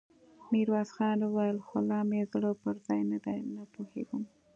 ميرويس خان وويل: خو لا مې زړه پر ځای نه دی، نه پوهېږم!